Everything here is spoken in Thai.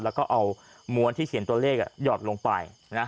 แล้วก็เอาม้วนที่เขียนตัวเลขหยอดลงไป